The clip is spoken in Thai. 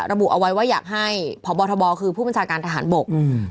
ระบุเอาไว้ว่าอยากให้พบทบคือผู้บัญชาการทหารบกอืม